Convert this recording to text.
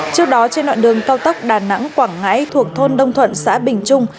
trước đó trên đoạn đường cao tốc đà nẵng quảng ngãi thuộc thôn đông thuận xã bình trung